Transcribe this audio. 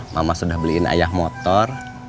mama sudah beliin ayah motor